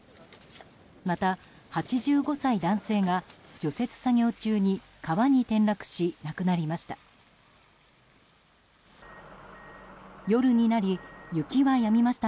また、８５歳男性が除雪作業中に川に転落し亡くなりました。